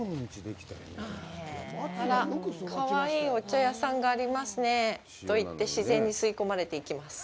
あらっ、かわいいお茶屋さんがありますねと言って自然に吸い込まれていきます。